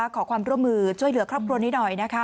ขอความร่วมมือช่วยเหลือครอบครัวนี้หน่อยนะคะ